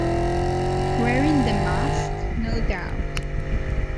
Wearing the mask, no doubt.